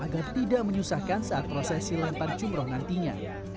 agar tidak menyusahkan saat prosesi lempar jumroh nantinya